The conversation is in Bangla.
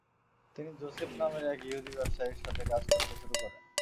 তিনি জোসেফ নামের এক ইহুদি ব্যবসায়ীর সাথে কাজ করতে শুরু করেন।